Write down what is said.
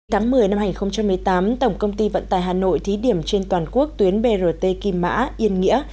tháng một mươi năm hai nghìn một mươi tám tổng công ty vận tải hà nội thí điểm trên toàn quốc tuyến brt kim mã yên nghĩa